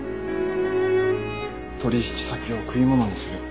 取引先を食い物にする